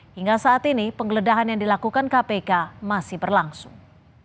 hingga saat ini penggeledahan yang dilakukan kpk masih berlangsung